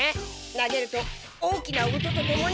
投げると大きな音とともに。